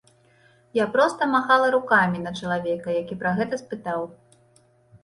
Я проста махала рукамі на чалавека, які пра гэта спытаў.